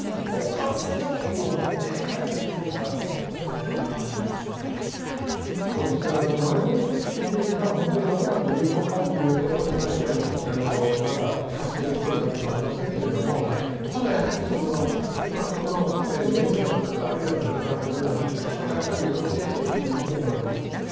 この感染状況を見て、解除については、松本先生、まん延防止措置が、本当にどこまで有効かということも、確かにまだ確定できてるわけではありませんけれども、ただやはり、今、この年度末、あるいはこれから年度初め、人がやっぱり動きやすい時期でもあります。